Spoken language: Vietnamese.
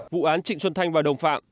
vụ án trịnh xuân thanh và đồng phạm